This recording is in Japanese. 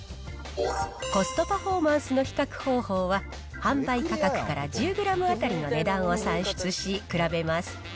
コストパフォーマンスの比較方法は、販売価格から１０グラム当たりの値段を算出し、比べます。